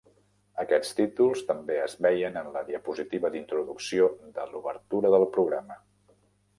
Aquests títols també es veien en la diapositiva d'introducció de l'obertura del programa.